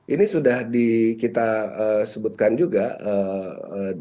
ini sudah kita sebutkan juga di beberapa pernyataan kami